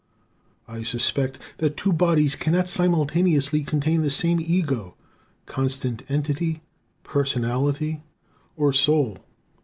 I suspect that two bodies cannot simultaneously contain the same ego, constant entity, personality, or soul.